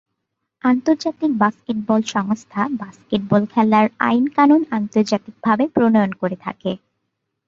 আন্তর্জাতিক বাস্কেটবল সংস্থা বাস্কেটবল খেলার আইন-কানুন আন্তর্জাতিকভাবে প্রণয়ন করে থাকে।